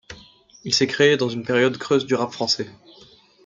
Il s’est créé dans une période creuse du rap français.